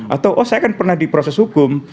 atau oh saya kan pernah di proses hukum